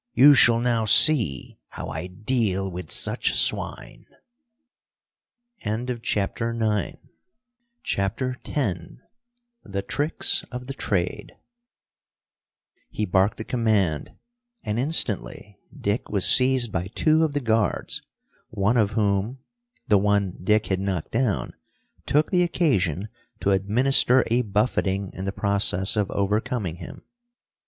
You shall now see how I deal with such swine!" CHAPTER X The Tricks of the Trade He barked a command, and instantly Dick was seized by two of the guards, one of whom the one Dick had knocked down took the occasion to administer a buffeting in the process of overcoming him.